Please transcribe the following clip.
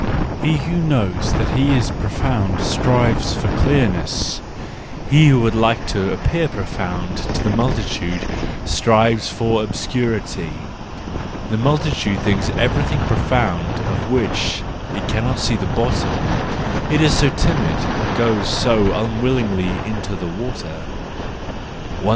—He who knows that he is profound strives for clearness; he who would like to appear profound to the multi¬ tude strives for obscurity. The multitude thinks everything profound of which it cannot see the bottom ; it is so timid and goes so unwillingly into the water. 174.